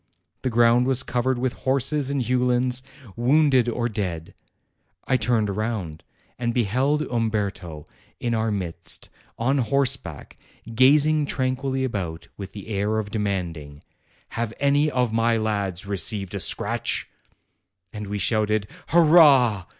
The ground was covered with horses and uhlans, wounded or dead. I turned round, and beheld Umberto in our midst, on horseback, gazing tranquilly about, with the air of demanding, 'Have any of my lads received a scratch?' And we shouted, 'Hurrah!'